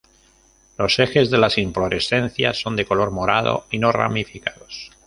Los ejes de las inflorescencias son de color morado y no ramificados.